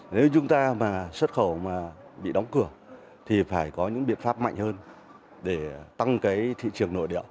nếu chúng ta mà xuất khẩu mà bị đóng cửa thì phải có những biện pháp mạnh hơn để tăng cái thị trường nội địa